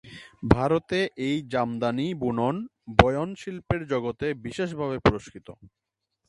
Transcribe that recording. ভারতে এই জামদানি বুনন বয়ন শিল্পের জগতে বিশেষ ভাবে পুরস্কৃত।